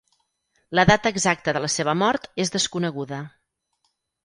La data exacta de la seva mort és desconeguda.